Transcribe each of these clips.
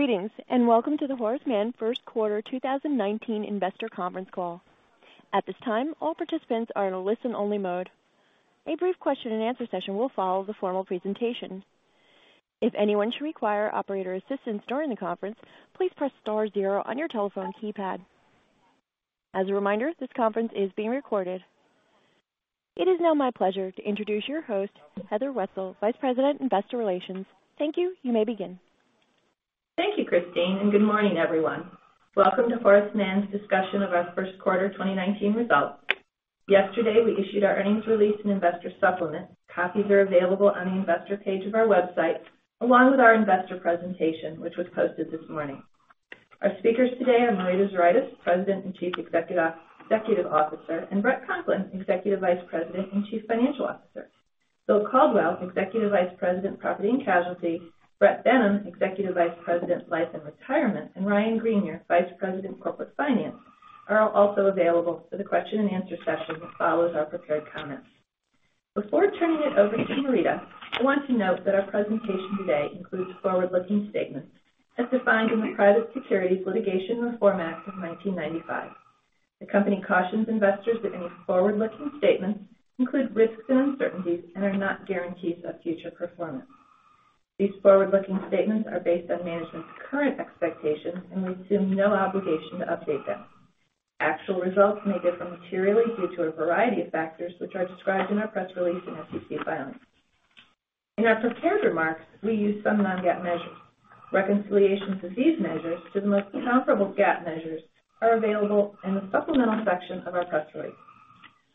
Greetings. Welcome to the Horace Mann first quarter 2019 investor conference call. At this time, all participants are in a listen-only mode. A brief question-and-answer session will follow the formal presentation. If anyone should require operator assistance during the conference, please press star zero on your telephone keypad. As a reminder, this conference is being recorded. It is now my pleasure to introduce your host, Heather J. Wessell, Vice President, Investor Relations. Thank you. You may begin. Thank you, Christine. Good morning, everyone. Welcome to Horace Mann's discussion of our first quarter 2019 results. Yesterday, we issued our earnings release and investor supplement. Copies are available on the investor page of our website, along with our investor presentation, which was posted this morning. Our speakers today are Marita Zuraitis, President and Chief Executive Officer, and Bret Conklin, Executive Vice President and Chief Financial Officer. William Caldwell, Executive Vice President, Property and Casualty, Bret Benham, Executive Vice President, Life and Retirement, and Ryan Greenier, Vice President, Corporate Finance, are also available for the question-and-answer session that follows our prepared comments. Before turning it over to Marita, I want to note that our presentation today includes forward-looking statements as defined in the Private Securities Litigation Reform Act of 1995. The company cautions investors that any forward-looking statements include risks and uncertainties and are not guarantees of future performance. These forward-looking statements are based on management's current expectations. We assume no obligation to update them. Actual results may differ materially due to a variety of factors, which are described in our press release and SEC filings. In our prepared remarks, we use some non-GAAP measures. Reconciliations of these measures to the most comparable GAAP measures are available in the supplemental section of our press release.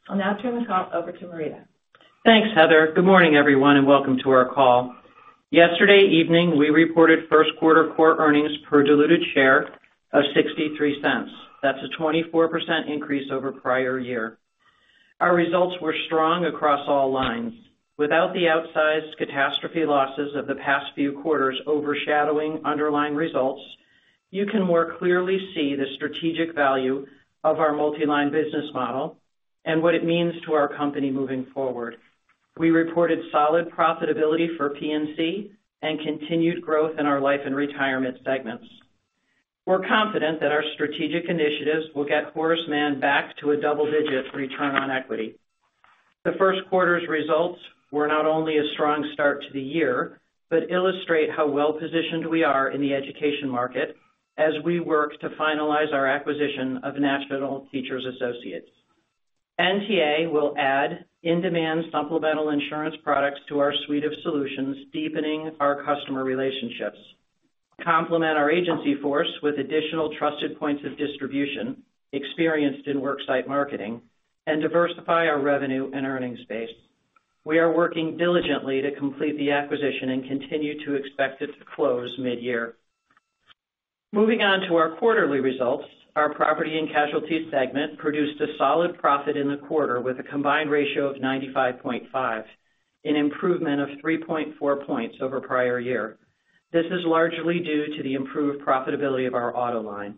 I'll now turn the call over to Marita. Thanks, Heather. Good morning, everyone. Welcome to our call. Yesterday evening, we reported first quarter core earnings per diluted share of $0.63. That's a 24% increase over prior year. Our results were strong across all lines. Without the outsized catastrophe losses of the past three quarters overshadowing underlying results, you can more clearly see the strategic value of our multi-line business model and what it means to our company moving forward. We reported solid profitability for P&C and continued growth in our Life and Retirement segments. We're confident that our strategic initiatives will get Horace Mann back to a double-digit return on equity. The first quarter's results were not only a strong start to the year, but illustrate how well-positioned we are in the education market as we work to finalize our acquisition of National Teachers Associates. NTA will add in-demand supplemental insurance products to our suite of solutions, deepening our customer relationships, complement our agency force with additional trusted points of distribution, experienced in worksite marketing, and diversify our revenue and earnings base. We are working diligently to complete the acquisition and continue to expect it to close mid-year. Moving on to our quarterly results, our property and casualty segment produced a solid profit in the quarter with a combined ratio of 95.5, an improvement of 3.4 points over prior year. This is largely due to the improved profitability of our auto line.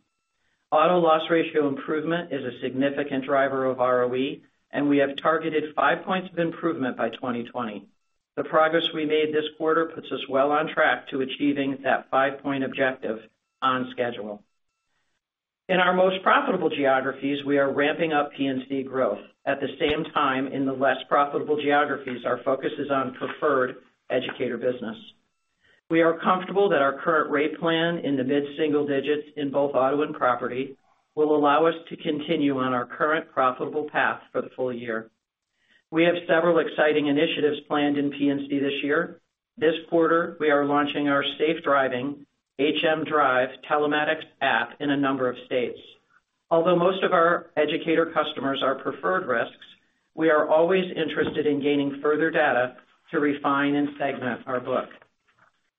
Auto loss ratio improvement is a significant driver of ROE, and we have targeted 5 points of improvement by 2020. The progress we made this quarter puts us well on track to achieving that 5-point objective on schedule. In our most profitable geographies, we are ramping up P&C growth. At the same time, in the less profitable geographies, our focus is on preferred educator business. We are comfortable that our current rate plan in the mid-single digits in both auto and property will allow us to continue on our current profitable path for the full year. We have several exciting initiatives planned in P&C this year. This quarter, we are launching our safe driving HMDrive telematics app in a number of states. Although most of our educator customers are preferred risks, we are always interested in gaining further data to refine and segment our book.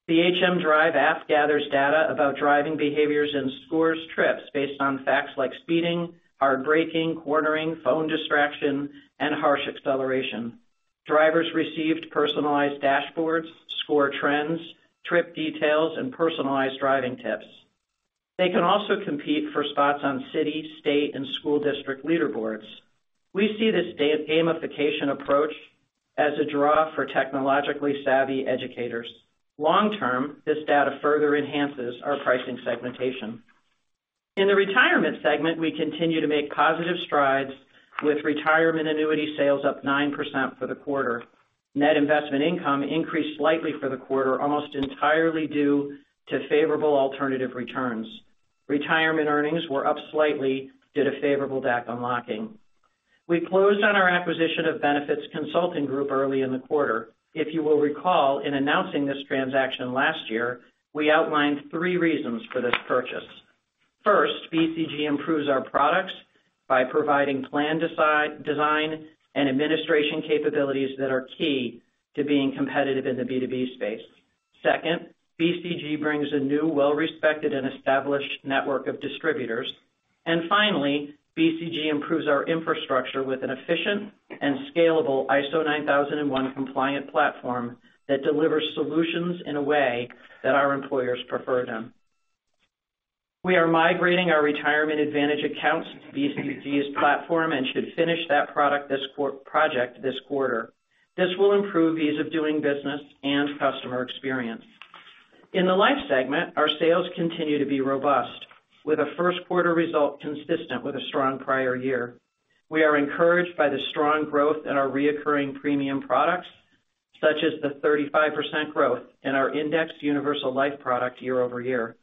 The HMDrive app gathers data about driving behaviors and scores trips based on facts like speeding, hard braking, cornering, phone distraction, and harsh acceleration. Drivers received personalized dashboards, score trends, trip details, and personalized driving tips. They can also compete for spots on city, state, and school district leaderboards. We see this gamification approach as a draw for technologically savvy educators. Long-term, this data further enhances our pricing segmentation. In the retirement segment, we continue to make positive strides with retirement annuity sales up 9% for the quarter. Net investment income increased slightly for the quarter, almost entirely due to favorable alternative returns. Retirement earnings were up slightly due to favorable DAC unlocking. We closed on our acquisition of Benefit Consultants Group early in the quarter. If you will recall, in announcing this transaction last year, we outlined three reasons for this purchase. First, BCG improves our products by providing plan design and administration capabilities that are key to being competitive in the B2B space. Second, BCG brings a new, well-respected, and established network of distributors. Finally, BCG improves our infrastructure with an efficient and scalable ISO 9001 compliant platform that delivers solutions in a way that our employers prefer them. We are migrating our Retirement Advantage accounts to BCG's platform and should finish that project this quarter. This will improve ease of doing business and customer experience. In the life segment, our sales continue to be robust, with a first quarter result consistent with a strong prior year. We are encouraged by the strong growth in our reoccurring premium products, such as the 35% growth in our indexed universal life product year-over-year.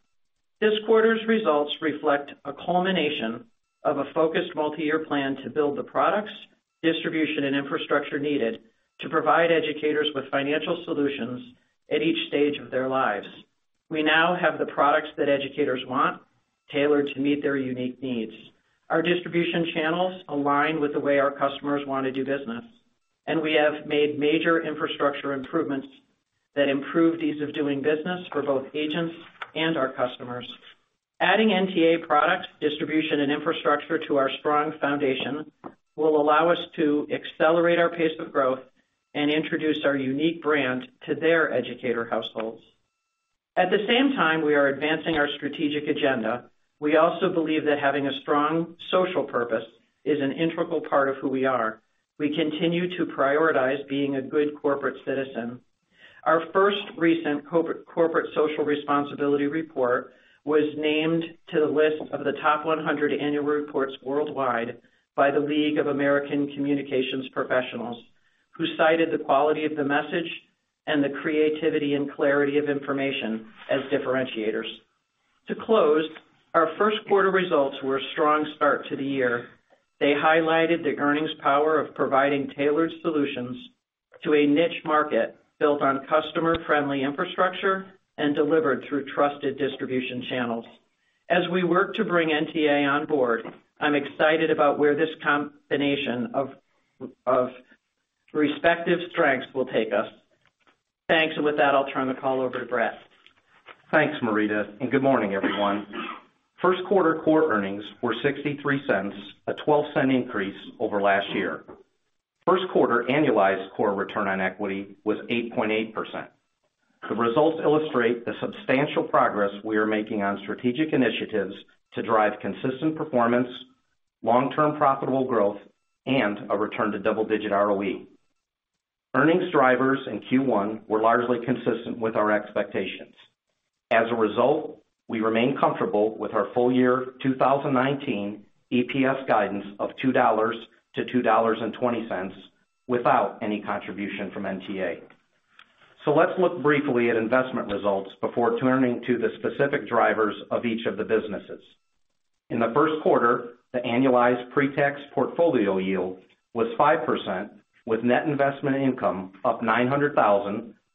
This quarter's results reflect a culmination of a focused multi-year plan to build the products, distribution, and infrastructure needed to provide educators with financial solutions at each stage of their lives. We now have the products that educators want, tailored to meet their unique needs. Our distribution channels align with the way our customers want to do business, we have made major infrastructure improvements that improve ease of doing business for both agents and our customers. Adding NTA products, distribution, and infrastructure to our strong foundation will allow us to accelerate our pace of growth and introduce our unique brand to their educator households. At the same time we are advancing our strategic agenda. We also believe that having a strong social purpose is an integral part of who we are. We continue to prioritize being a good corporate citizen. Our first recent corporate social responsibility report was named to the list of the top 100 annual reports worldwide by the League of American Communications Professionals, who cited the quality of the message and the creativity and clarity of information as differentiators. To close, our first quarter results were a strong start to the year. They highlighted the earnings power of providing tailored solutions to a niche market built on customer-friendly infrastructure and delivered through trusted distribution channels. As we work to bring NTA on board, I'm excited about where this combination of respective strengths will take us. Thanks. With that, I'll turn the call over to Bret. Thanks, Marita, good morning, everyone. First quarter core earnings were $0.63, a $0.12 increase over last year. First quarter annualized core return on equity was 8.8%. The results illustrate the substantial progress we are making on strategic initiatives to drive consistent performance, long-term profitable growth, and a return to double-digit ROE. Earnings drivers in Q1 were largely consistent with our expectations. As a result, we remain comfortable with our full year 2019 EPS guidance of $2-$2.20 without any contribution from NTA. Let's look briefly at investment results before turning to the specific drivers of each of the businesses. In the first quarter, the annualized pre-tax portfolio yield was 5%, with net investment income up 5900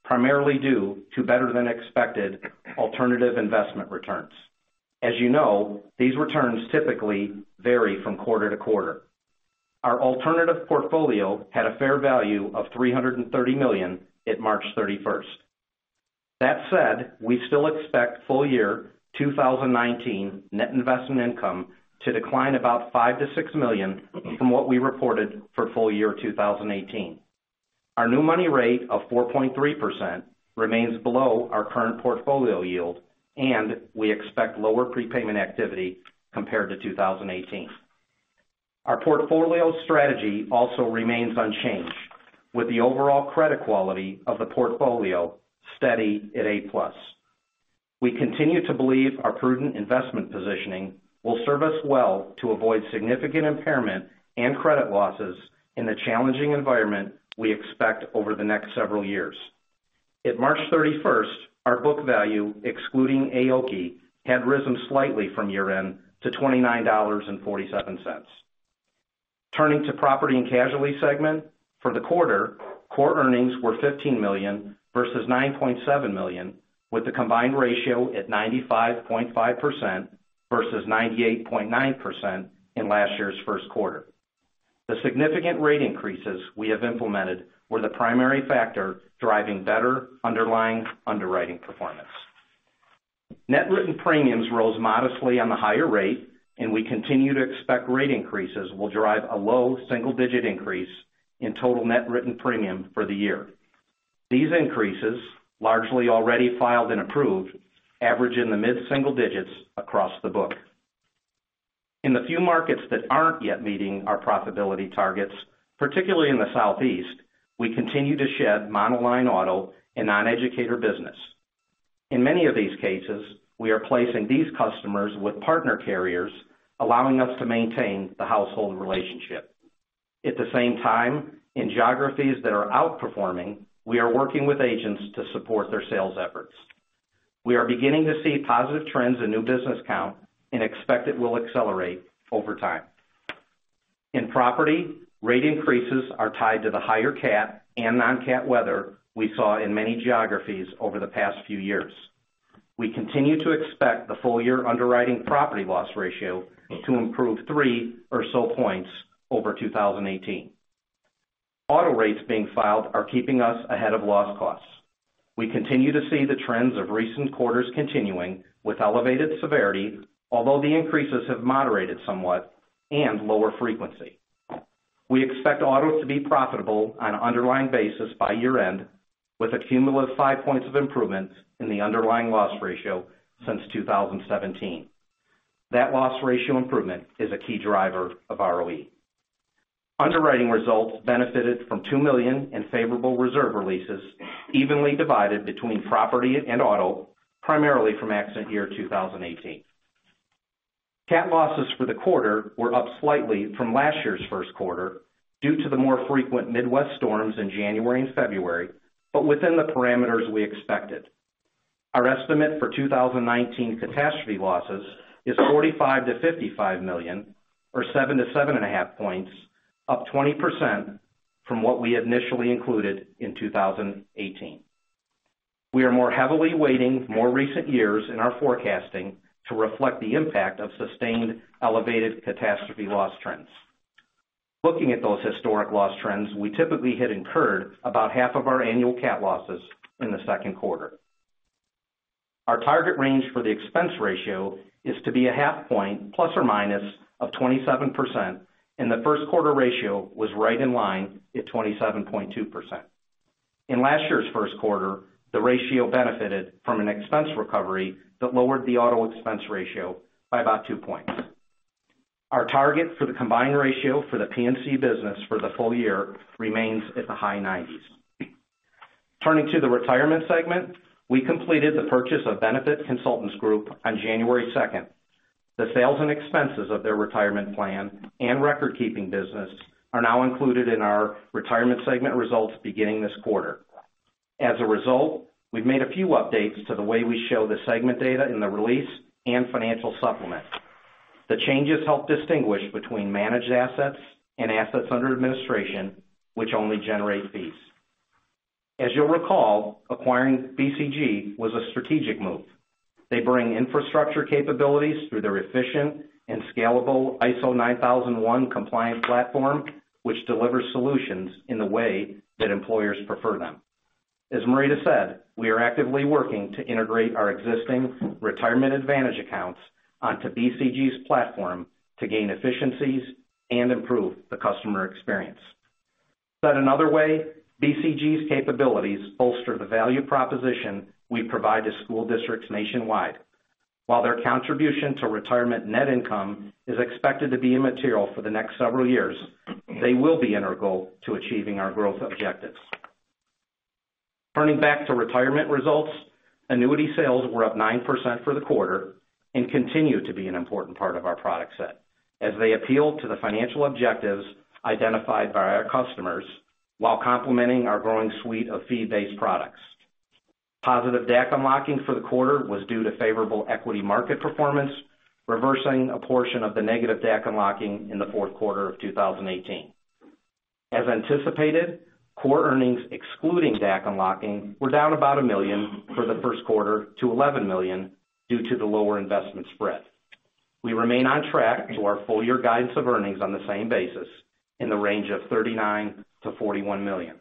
primarily due to better than expected alternative investment returns. As you know, these returns typically vary from quarter to quarter. Our alternative portfolio had a fair value of $330 million at March 31st. That said, we still expect full year 2019 net investment income to decline about $5 million-$6 million from what we reported for full year 2018. Our new money rate of 4.3% remains below our current portfolio yield, and we expect lower prepayment activity compared to 2018. Our portfolio strategy also remains unchanged, with the overall credit quality of the portfolio steady at A-plus. We continue to believe our prudent investment positioning will serve us well to avoid significant impairment and credit losses in the challenging environment we expect over the next several years. At March 31st, our book value, excluding AOCI, had risen slightly from year-end to $29.47. Turning to Property and Casualty segment. For the quarter, core earnings were $15 million versus $9.7 million, with the combined ratio at 95.5% versus 98.9% in last year's first quarter. The significant rate increases we have implemented were the primary factor driving better underlying underwriting performance. Net written premiums rose modestly on the higher rate, and we continue to expect rate increases will drive a low single-digit increase in total net written premium for the year. These increases, largely already filed and approved, average in the mid-single digits across the book. In the few markets that aren't yet meeting our profitability targets, particularly in the Southeast, we continue to shed monoline auto and non-educator business. In many of these cases, we are placing these customers with partner carriers, allowing us to maintain the household relationship. At the same time, in geographies that are outperforming, we are working with agents to support their sales efforts. We are beginning to see positive trends in new business count and expect it will accelerate over time. In property, rate increases are tied to the higher cat and non-cat weather we saw in many geographies over the past few years. We continue to expect the full year underwriting property loss ratio to improve three or so points over 2018. Auto rates being filed are keeping us ahead of loss costs. We continue to see the trends of recent quarters continuing with elevated severity, although the increases have moderated somewhat and lower frequency. We expect auto to be profitable on an underlying basis by year-end. With a cumulative five points of improvements in the underlying loss ratio since 2017. That loss ratio improvement is a key driver of ROE. Underwriting results benefited from $2 million in favorable reserve releases evenly divided between property and auto, primarily from accident year 2018. Cat losses for the quarter were up slightly from last year's first quarter due to the more frequent Midwest storms in January and February, but within the parameters we expected. Our estimate for 2019 catastrophe losses is $45 million-$55 million or 7-7.5 points, up 20% from what we initially included in 2018. We are more heavily weighting more recent years in our forecasting to reflect the impact of sustained elevated catastrophe loss trends. Looking at those historic loss trends, we typically had incurred about half of our annual cat losses in the second quarter. Our target range for the expense ratio is to be a half point plus or minus of 27%, and the first quarter ratio was right in line at 27.2%. In last year's first quarter, the ratio benefited from an expense recovery that lowered the auto expense ratio by about two points. Our target for the combined ratio for the P&C business for the full year remains at the high 90s. Turning to the Retirement segment, we completed the purchase of Benefit Consultants Group on January 2nd. The sales and expenses of their retirement plan and record-keeping business are now included in our Retirement segment results beginning this quarter. As a result, we've made a few updates to the way we show the segment data in the release and financial supplement. The changes help distinguish between managed assets and assets under administration, which only generate fees. As you'll recall, acquiring BCG was a strategic move. They bring infrastructure capabilities through their efficient and scalable ISO 9001 compliance platform, which delivers solutions in the way that employers prefer them. As Marita said, we are actively working to integrate our existing Retirement Advantage accounts onto BCG's platform to gain efficiencies and improve the customer experience. Said another way, BCG's capabilities bolster the value proposition we provide to school districts nationwide. While their contribution to Retirement net income is expected to be immaterial for the next several years, they will be integral to achieving our growth objectives. Turning back to Retirement results, annuity sales were up 9% for the quarter and continue to be an important part of our product set as they appeal to the financial objectives identified by our customers while complementing our growing suite of fee-based products. Positive DAC unlocking for the quarter was due to favorable equity market performance, reversing a portion of the negative DAC unlocking in the fourth quarter of 2018. As anticipated, core earnings excluding DAC unlocking were down about $1 million for the first quarter to $11 million due to the lower investment spread. We remain on track to our full-year guidance of earnings on the same basis in the range of $39 million-$41 million.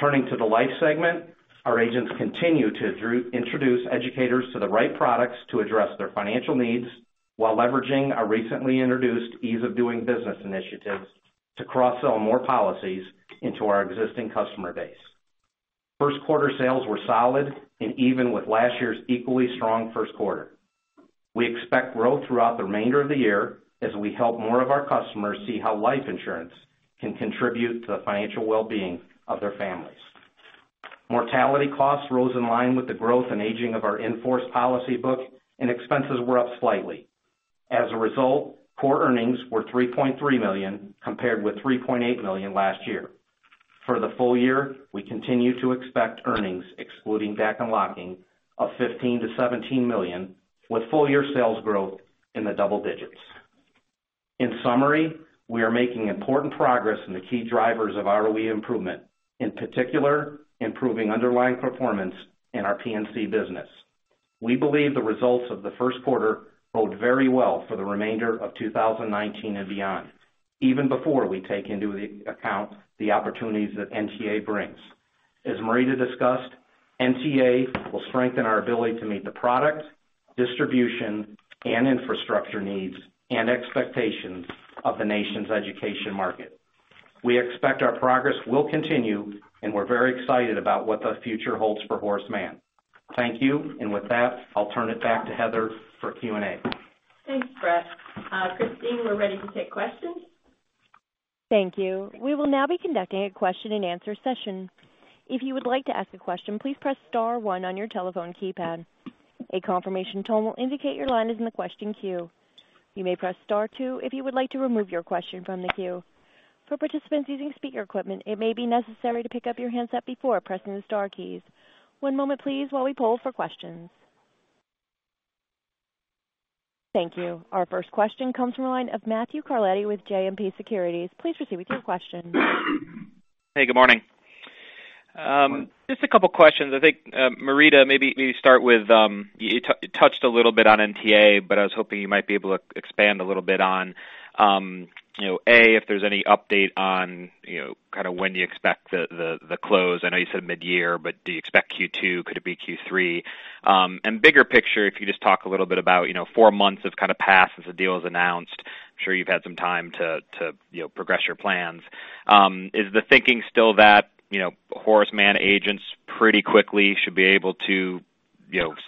Turning to the Life segment, our agents continue to introduce educators to the right products to address their financial needs while leveraging our recently introduced ease of doing business initiatives to cross-sell more policies into our existing customer base. First quarter sales were solid and even with last year's equally strong first quarter. We expect growth throughout the remainder of the year as we help more of our customers see how life insurance can contribute to the financial well-being of their families. Mortality costs rose in line with the growth and aging of our in-force policy book, and expenses were up slightly. As a result, core earnings were $3.3 million, compared with $3.8 million last year. For the full year, we continue to expect earnings excluding DAC unlocking of $15 million-$17 million with full year sales growth in the double digits. In summary, we are making important progress in the key drivers of ROE improvement, in particular, improving underlying performance in our P&C business. We believe the results of the first quarter bode very well for the remainder of 2019 and beyond, even before we take into account the opportunities that NTA brings. As Marita discussed, NTA will strengthen our ability to meet the product, distribution, and infrastructure needs and expectations of the nation's education market. We expect our progress will continue, and we're very excited about what the future holds for Horace Mann. Thank you. With that, I'll turn it back to Heather for Q&A. Thanks, Bret. Christine, we're ready to take questions. Thank you. We will now be conducting a question and answer session. If you would like to ask a question, please press star one on your telephone keypad. A confirmation tone will indicate your line is in the question queue. You may press star two if you would like to remove your question from the queue. For participants using speaker equipment, it may be necessary to pick up your handset before pressing the star keys. One moment please while we poll for questions. Thank you. Our first question comes from the line of Matthew Carletti with JMP Securities. Please proceed with your question. Hey, good morning. Good morning. Just a couple of questions. I think, Marita, maybe start with, you touched a little bit on NTA, but I was hoping you might be able to expand a little bit on, A, if there's any update on when do you expect the close. I know you said mid-year, but do you expect Q2? Could it be Q3? Bigger picture, if you just talk a little bit about, four months have kind of passed since the deal was announced. I'm sure you've had some time to progress your plans. Is the thinking still that Horace Mann agents pretty quickly should be able to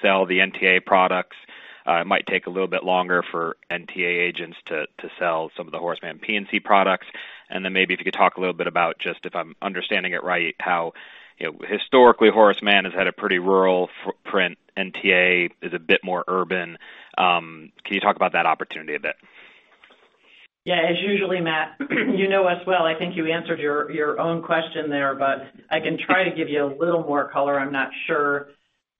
sell the NTA products? It might take a little bit longer for NTA agents to sell some of the Horace Mann P&C products. Maybe if you could talk a little bit about, just if I'm understanding it right, how historically Horace Mann has had a pretty rural footprint. NTA is a bit more urban. Can you talk about that opportunity a bit? Yeah. As usually, Matt, you know us well. I think you answered your own question there, but I can try to give you a little more color. I'm not sure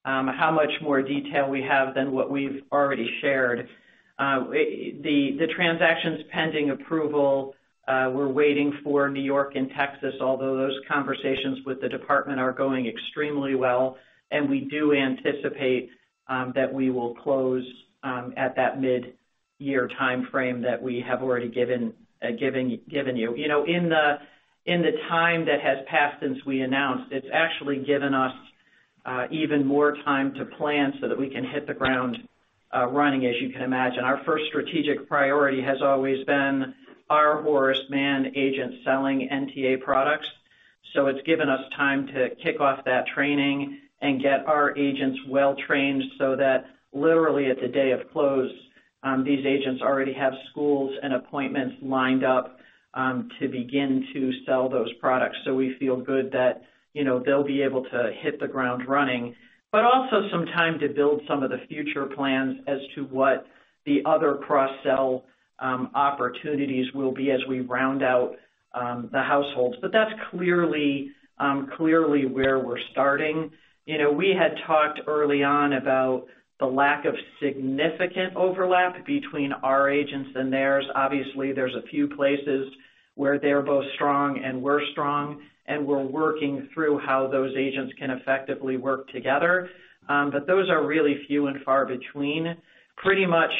how much more detail we have than what we've already shared. The transaction's pending approval. We're waiting for New York and Texas, although those conversations with the department are going extremely well, and we do anticipate that we will close at that mid-year timeframe that we have already given you. In the time that has passed since we announced, it's actually given us even more time to plan so that we can hit the ground running. As you can imagine, our first strategic priority has always been our Horace Mann agents selling NTA products. It's given us time to kick off that training and get our agents well-trained so that literally at the day of close, these agents already have schools and appointments lined up to begin to sell those products. Also some time to build some of the future plans as to what the other cross-sell opportunities will be as we round out the households. That's clearly where we're starting. We had talked early on about the lack of significant overlap between our agents and theirs. Obviously, there's a few places where they're both strong and we're strong, and we're working through how those agents can effectively work together. Those are really few and far between. Pretty much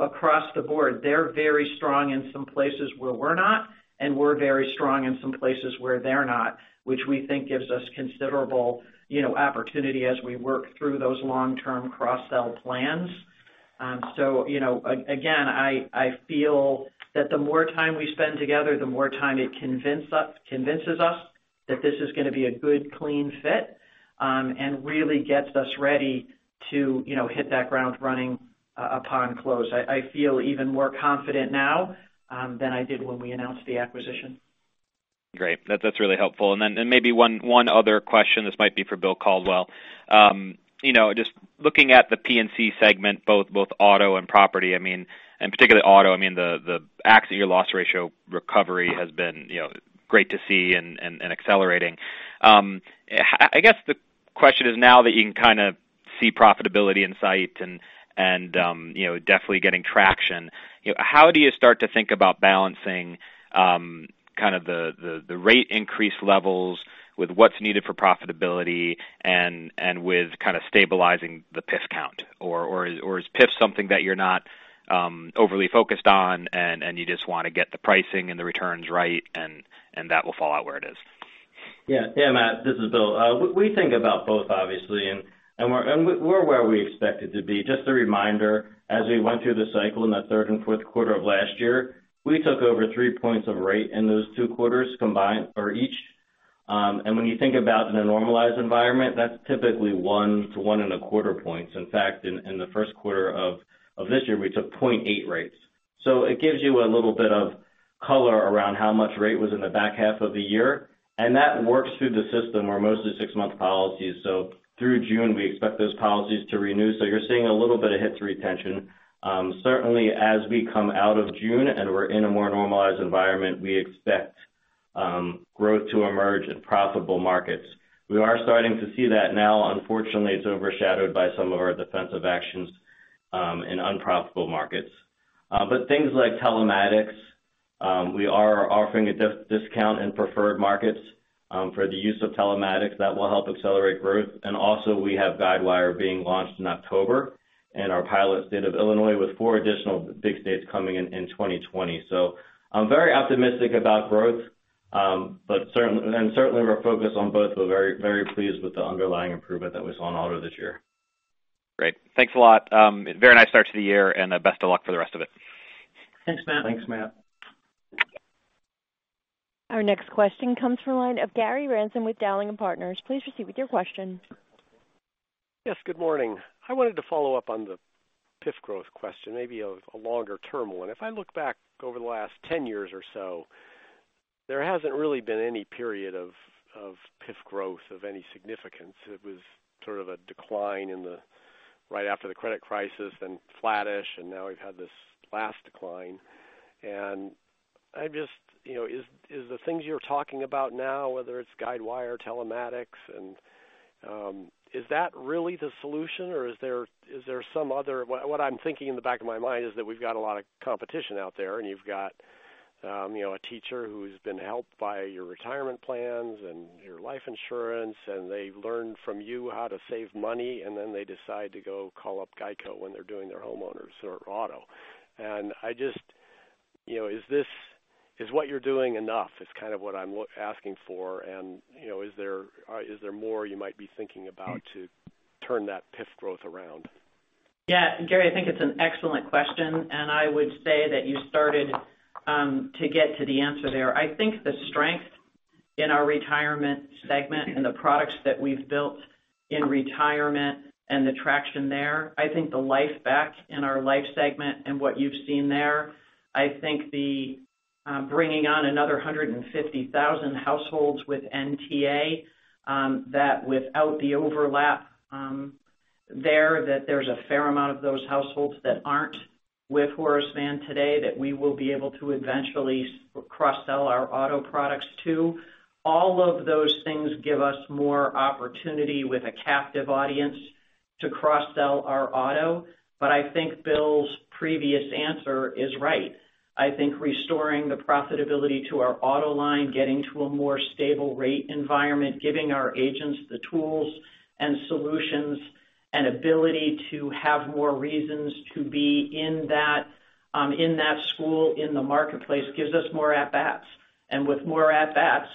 across the board, they're very strong in some places where we're not, and we're very strong in some places where they're not, which we think gives us considerable opportunity as we work through those long-term cross-sell plans. Again, I feel that the more time we spend together, the more time it convinces us that this is going to be a good, clean fit, and really gets us ready to hit that ground running upon close. I feel even more confident now than I did when we announced the acquisition. Great. That's really helpful. Maybe one other question, this might be for William Caldwell. Just looking at the P&C segment, both auto and property, and particularly auto, the accident year loss ratio recovery has been great to see and accelerating. I guess the question is now that you can kind of see profitability in sight and definitely getting traction, how do you start to think about balancing the rate increase levels with what's needed for profitability and with stabilizing the PIF count? Or is PIF something that you're not overly focused on, and you just want to get the pricing and the returns right, and that will fall out where it is? Yeah, Matt Carletti, this is William Caldwell. We think about both obviously. We're where we expected to be. Just a reminder, as we went through the cycle in that third and fourth quarter of last year, we took over three points of rate in those two quarters combined for each. When you think about in a normalized environment, that's typically one to one and a quarter points. In fact, in the first quarter of this year, we took 0.8 rates. It gives you a little bit of color around how much rate was in the back half of the year, and that works through the system are mostly six-month policies. Through June, we expect those policies to renew. You're seeing a little bit of hit to retention. Certainly, as we come out of June and we're in a more normalized environment, we expect growth to emerge in profitable markets. We are starting to see that now. Unfortunately, it's overshadowed by some of our defensive actions in unprofitable markets. Things like telematics, we are offering a discount in preferred markets for the use of telematics that will help accelerate growth. Also, we have Guidewire being launched in October in our pilot state of Illinois, with four additional big states coming in in 2020. I'm very optimistic about growth, certainly we're focused on both. We're very pleased with the underlying improvement that we saw in auto this year. Great. Thanks a lot. Very nice start to the year and best of luck for the rest of it. Thanks, Matt. Thanks, Matt. Our next question comes from the line of Gary Ransom with Dowling & Partners. Please proceed with your question. Yes, good morning. I wanted to follow up on the PIF growth question, maybe a longer-term one. If I look back over the last 10 years or so, there hasn't really been any period of PIF growth of any significance. It was sort of a decline right after the credit crisis, then flattish, and now we've had this last decline. Is the things you're talking about now, whether it's Guidewire, telematics, is that really the solution, or is there What I'm thinking in the back of my mind is that we've got a lot of competition out there, and you've got a teacher who's been helped by your retirement plans and your life insurance, and they've learned from you how to save money, and then they decide to go call up GEICO when they're doing their homeowners or auto. Is what you're doing enough? Is kind of what I'm asking for. Is there more you might be thinking about to turn that PIF growth around? Yeah, Gary, I think it's an excellent question. I would say that you started to get to the answer there. I think the strength in our retirement segment and the products that we've built in retirement and the traction there, I think the life back in our life segment and what you've seen there, I think the bringing on another 150,000 households with NTA, that without the overlap there, that there's a fair amount of those households that aren't with Horace Mann today that we will be able to eventually cross-sell our auto products to. All of those things give us more opportunity with a captive audience to cross-sell our auto. I think Bill's previous answer is right. I think restoring the profitability to our auto line, getting to a more stable rate environment, giving our agents the tools and solutions and ability to have more reasons to be in that school in the marketplace gives us more at-bats. With more at-bats,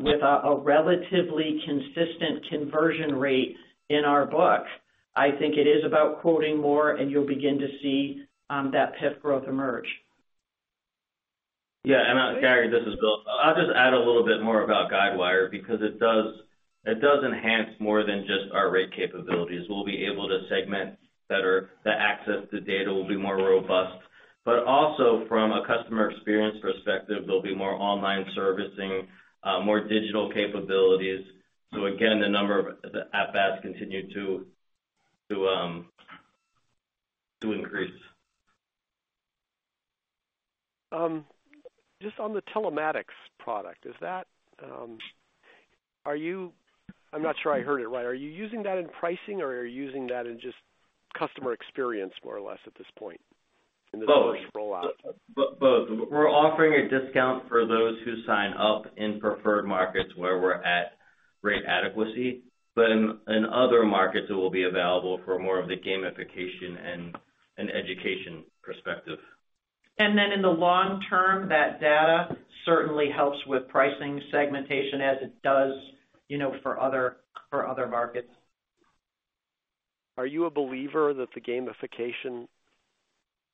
with a relatively consistent conversion rate in our book, I think it is about quoting more, and you'll begin to see that PIF growth emerge. Yeah, Gary, this is Bill. I'll just add a little bit more about Guidewire because it does enhance more than just our rate capabilities. We'll be able to segment better. The access to data will be more robust. Also from a customer experience perspective, there'll be more online servicing, more digital capabilities. Again, the number of at-bats continue to increase. Just on the telematics product, I'm not sure I heard it right. Are you using that in pricing or are you using that in just customer experience more or less at this point in this first rollout? Both. We're offering a discount for those who sign up in preferred markets where we're at rate adequacy. In other markets, it will be available for more of the gamification and education perspective. In the long term, that data certainly helps with pricing segmentation as it does for other markets. Are you a believer that the gamification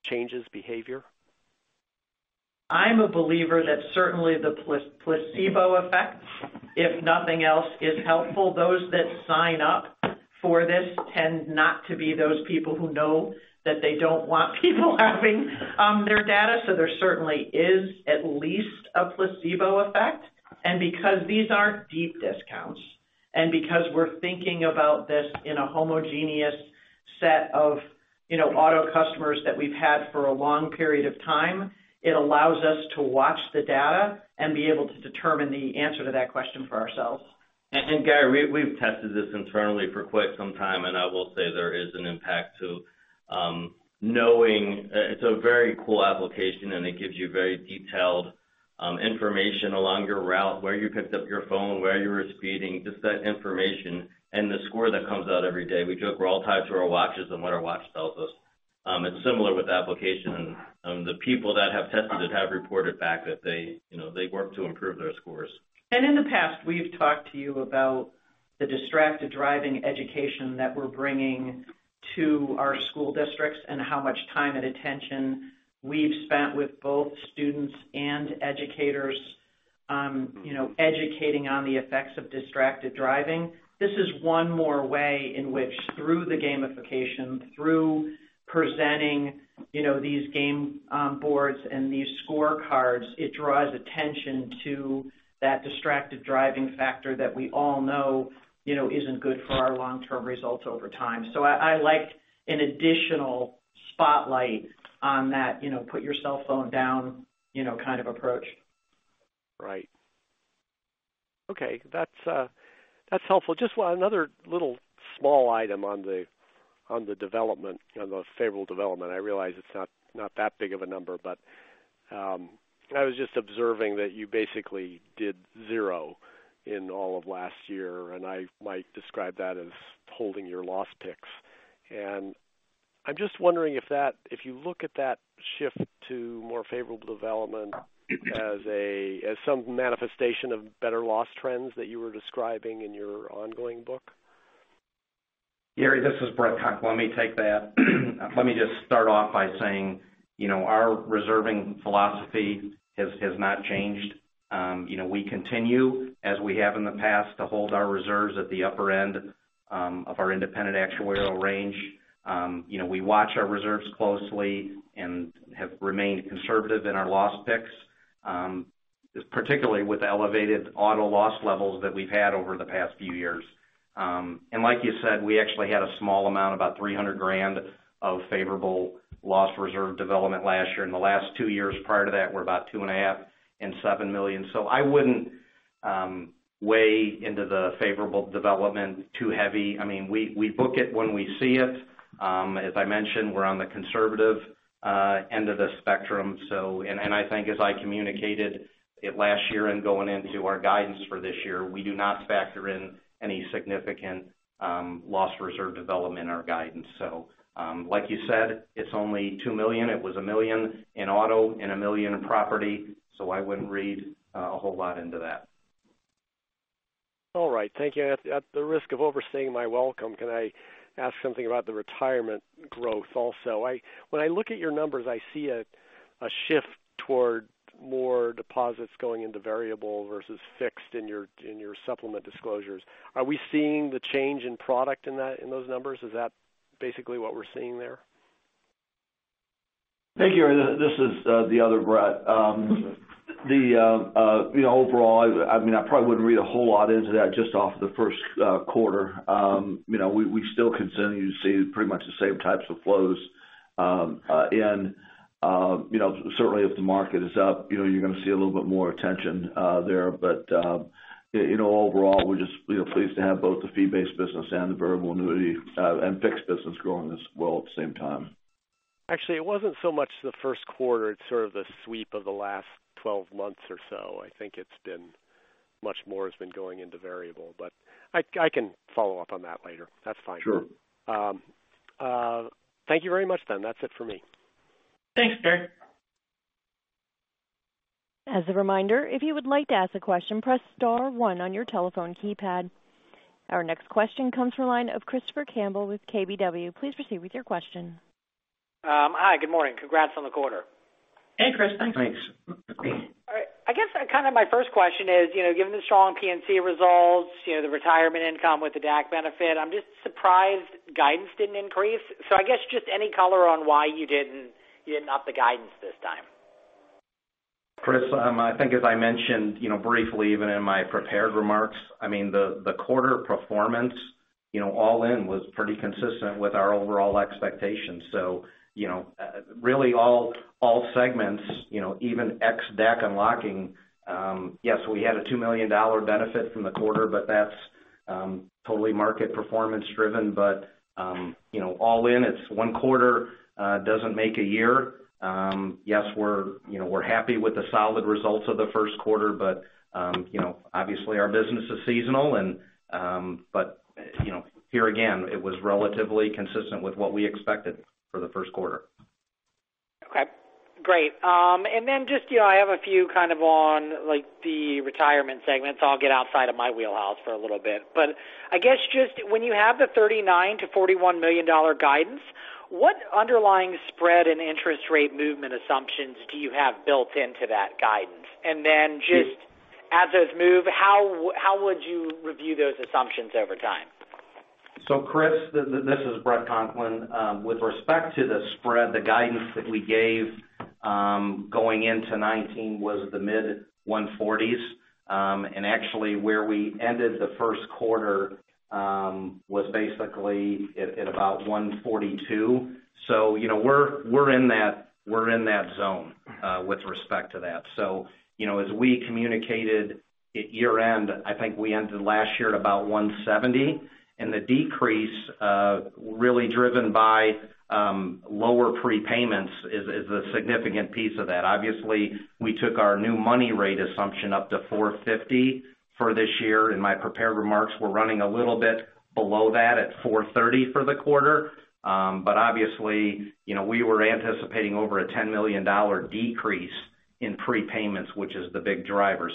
changes behavior? I'm a believer that certainly the placebo effect, if nothing else, is helpful. Those that sign up for this tend not to be those people who know that they don't want people having their data. There certainly is at least a placebo effect. Because these aren't deep discounts, and because we're thinking about this in a homogeneous set of auto customers that we've had for a long period of time, it allows us to watch the data and be able to determine the answer to that question for ourselves. Gary, we've tested this internally for quite some time, and I will say there is an impact to knowing it's a very cool application, and it gives you very detailed information along your route, where you picked up your phone, where you were speeding, just that information and the score that comes out every day. We joke we're all tied to our watches and what our watch tells us. It's similar with the application. The people that have tested it have reported back that they work to improve their scores. In the past, we've talked to you about the distracted driving education that we're bringing to our school districts and how much time and attention we've spent with both students and educators educating on the effects of distracted driving. This is one more way in which through the gamification, through presenting these game boards and these scorecards, it draws attention to that distracted driving factor that we all know isn't good for our long-term results over time. I liked an additional spotlight on that put your cellphone down kind of approach. Right. Okay. That's helpful. Just another little small item on the favorable development. I realize it's not that big of a number, but I was just observing that you basically did zero in all of last year, and I might describe that as holding your loss picks. I'm just wondering if you look at that shift to more favorable development as some manifestation of better loss trends that you were describing in your ongoing book. Gary, this is Bret Conklin. Let me take that. Let me just start off by saying our reserving philosophy has not changed. We continue, as we have in the past, to hold our reserves at the upper end of our independent actuarial range. We watch our reserves closely and have remained conservative in our loss picks, particularly with the elevated auto loss levels that we've had over the past few years. Like you said, we actually had a small amount, about $300,000 of favorable loss reserve development last year. The last two years prior to that were about $2.5 million and $7 million. I wouldn't weigh into the favorable development too heavy. We book it when we see it. As I mentioned, we're on the conservative end of the spectrum. I think as I communicated it last year and going into our guidance for this year, we do not factor in any significant loss reserve development or guidance. Like you said, it's only $2 million. It was $1 million in auto and $1 million in property. I wouldn't read a whole lot into that. All right. Thank you. At the risk of overstaying my welcome, can I ask something about the retirement growth also? When I look at your numbers, I see a shift toward more deposits going into variable versus fixed in your supplement disclosures. Are we seeing the change in product in those numbers? Is that basically what we're seeing there? Thank you. This is the other Bret. Overall, I probably wouldn't read a whole lot into that just off of the first quarter. We still continue to see pretty much the same types of flows. Certainly if the market is up, you're going to see a little bit more attention there. Overall, we're just pleased to have both the fee-based business and the variable annuity and fixed business growing as well at the same time. Actually, it wasn't so much the first quarter, it's sort of the sweep of the last 12 months or so. I think much more has been going into variable. I can follow up on that later. That's fine. Sure. Thank you very much. That's it for me. Thanks, Gary. As a reminder, if you would like to ask a question, press *1 on your telephone keypad. Our next question comes from the line of Christopher Campbell with KBW. Please proceed with your question. Hi, good morning. Congrats on the quarter. Hey, Chris. Thanks. Thanks. All right. I guess my first question is, given the strong P&C results, the retirement income with the DAC benefit, I'm just surprised guidance didn't increase. I guess just any color on why you didn't up the guidance this time. Chris, I think as I mentioned briefly even in my prepared remarks, the quarter performance all in was pretty consistent with our overall expectations. Really all segments, even ex DAC unlocking. Yes, we had a $2 million benefit from the quarter, but that's totally market performance driven. All in, it's one quarter doesn't make a year. Yes, we're happy with the solid results of the first quarter, but obviously our business is seasonal but here again, it was relatively consistent with what we expected for the first quarter. Okay, great. Just I have a few kind of on the retirement segments. I'll get outside of my wheelhouse for a little bit. I guess just when you have the $39 million-$41 million guidance, what underlying spread and interest rate movement assumptions do you have built into that guidance? Just as those move, how would you review those assumptions over time? Chris, this is Bret Conklin. With respect to the spread, the guidance that we gave going into 2019 was the mid-140s. Actually where we ended the first quarter was basically at about 142. We're in that zone with respect to that. As we communicated at year-end, I think we ended last year at about 170, and the decrease really driven by lower prepayments is a significant piece of that. Obviously, we took our new money rate assumption up to 450 for this year. In my prepared remarks, we're running a little bit below that at 430 for the quarter. Obviously, we were anticipating over a $10 million decrease in prepayments, which is the big driver.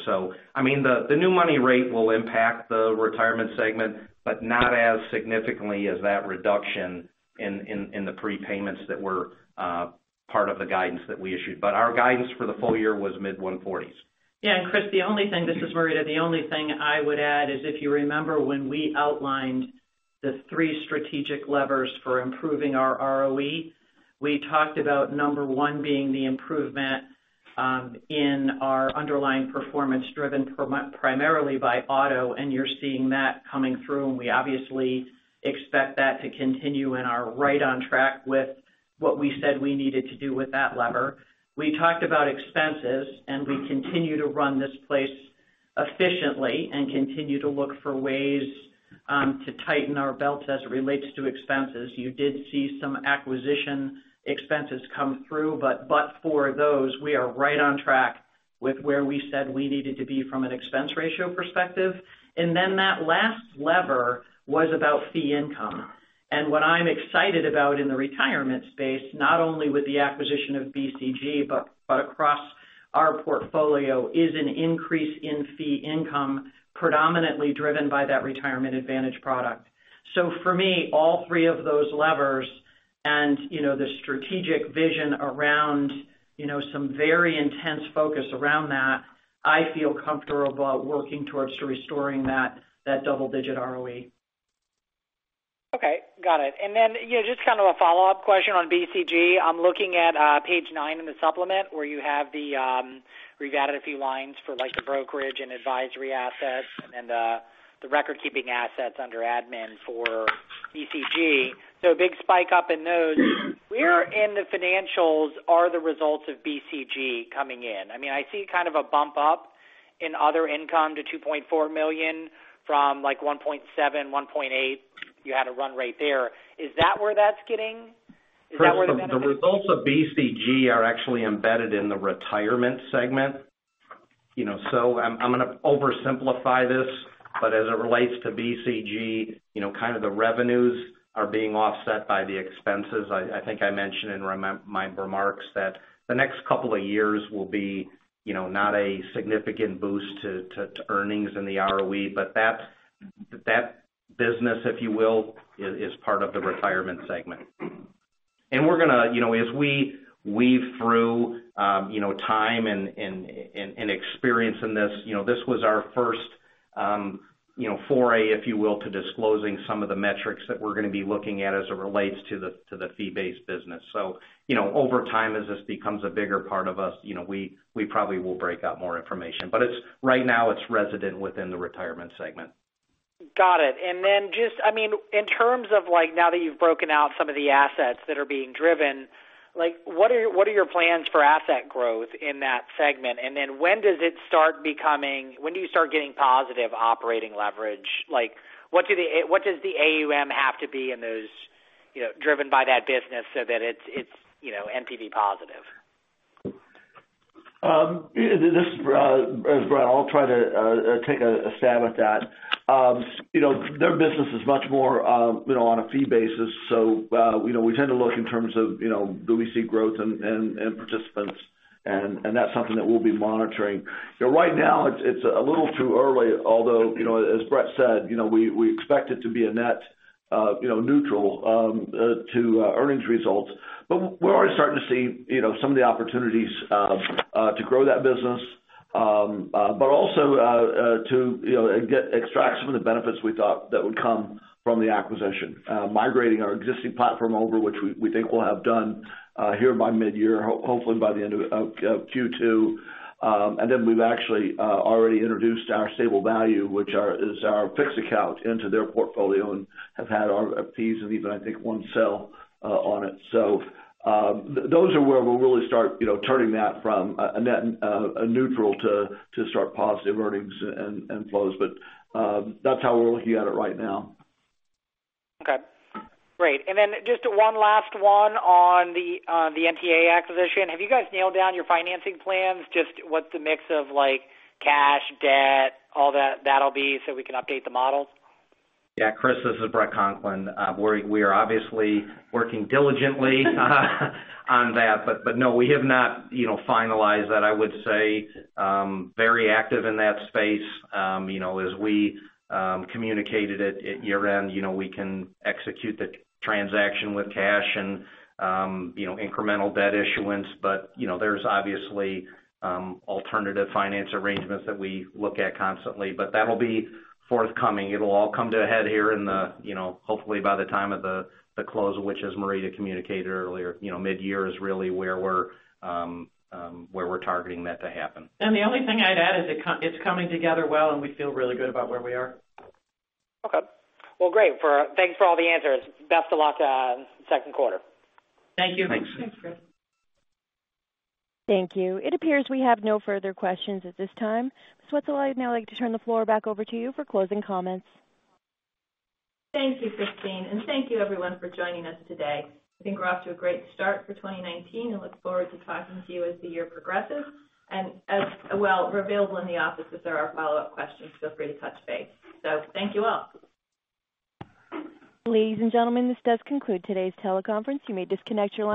I mean, the new money rate will impact the retirement segment, not as significantly as that reduction in the prepayments that were part of the guidance that we issued. Our guidance for the full year was mid-140s. Yeah. Chris, this is Marita. The only thing I would add is if you remember when we outlined the three strategic levers for improving our ROE, we talked about number one being the improvement in our underlying performance driven primarily by auto, you're seeing that coming through, and we obviously expect that to continue and are right on track with what we said we needed to do with that lever. We talked about expenses, we continue to run this place efficiently and continue to look for ways to tighten our belts as it relates to expenses. You did see some acquisition expenses come through, for those, we are right on track with where we said we needed to be from an expense ratio perspective. That last lever was about fee income. What I'm excited about in the retirement space, not only with the acquisition of BCG, but across our portfolio, is an increase in fee income predominantly driven by that Retirement Advantage product. For me, all three of those levers and the strategic vision around some very intense focus around that, I feel comfortable working towards restoring that double-digit ROE. Okay, got it. Then just kind of a follow-up question on BCG. I'm looking at page nine in the supplement where you've added a few lines for the brokerage and advisory assets and the record-keeping assets under admin for BCG. A big spike up in those. Where in the financials are the results of BCG coming in? I mean, I see kind of a bump up in other income to $2.4 million from like $1.7 million, $1.8 million. You had a run rate there. Is that where that's getting? Is that where that's at? Chris, the results of BCG are actually embedded in the retirement segment. I'm going to oversimplify this, but as it relates to BCG, kind of the revenues are being offset by the expenses. I think I mentioned in my remarks that the next couple of years will be not a significant boost to earnings in the ROE. That business, if you will, is part of the retirement segment. As we weave through time and experience in this was our first foray, if you will, to disclosing some of the metrics that we're going to be looking at as it relates to the fee-based business. Over time, as this becomes a bigger part of us, we probably will break out more information. Right now, it's resident within the retirement segment. Got it. Then in terms of now that you've broken out some of the assets that are being driven, what are your plans for asset growth in that segment? Then when do you start getting positive operating leverage? What does the AUM have to be driven by that business so that it's NPV positive? This is Bret. I'll try to take a stab at that. Their business is much more on a fee basis. We tend to look in terms of do we see growth in participants, and that's something that we'll be monitoring. Right now, it's a little too early, although, as Bret said, we expect it to be a net neutral to earnings results. We're already starting to see some of the opportunities to grow that business. Also to extract some of the benefits we thought that would come from the acquisition. Migrating our existing platform over, which we think we'll have done here by mid-year, hopefully by the end of Q2. We've actually already introduced our stable value, which is our fixed account, into their portfolio and have had our fees and even, I think, one sell on it. Those are where we'll really start turning that from a neutral to start positive earnings and flows. That's how we're looking at it right now. Okay. Great. Just one last one on the NTA acquisition. Have you guys nailed down your financing plans? Just what's the mix of cash, debt, all that that'll be so we can update the models? Yeah. Chris, this is Bret Conklin. We are obviously working diligently on that. No, we have not finalized that. I would say very active in that space. As we communicated at year-end, we can execute the transaction with cash and incremental debt issuance. There's obviously alternative finance arrangements that we look at constantly. That'll be forthcoming. It'll all come to a head here hopefully by the time of the close, which as Marita communicated earlier, mid-year is really where we're targeting that to happen. The only thing I'd add is it's coming together well, and we feel really good about where we are. Okay. Well, great. Thanks for all the answers. Best of luck second quarter. Thank you. Thanks. Thanks, Chris. Thank you. It appears we have no further questions at this time. Ms. Wietzel, I'd now like to turn the floor back over to you for closing comments. Thank you, Christine. Thank you everyone for joining us today. I think we're off to a great start for 2019 and look forward to talking to you as the year progresses. As well, we're available in the office if there are follow-up questions, feel free to touch base. Thank you all. Ladies and gentlemen, this does conclude today's teleconference. You may disconnect your lines.